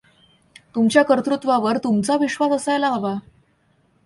तुमच्या कर्तुत्वावर तुमचा विश्वास असायला हवा.